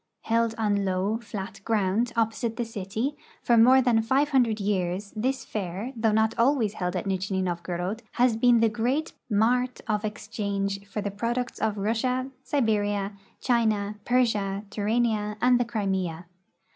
Held on Ioav, flat ground opposite the city, for more than five hundred years this fair, though not ahvays held at Nijni Novgorod, has l^een the great mart of exchange for the products of Russia, Sil^eria, China, Persia, Turania, and the Crimea.